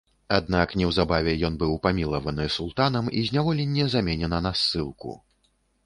Аднак неўзабаве ён быў памілаваны султанам і зняволенне заменена на ссылку.